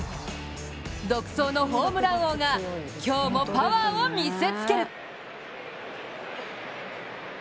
独走のホームラン王が今日もパワーを見せつける。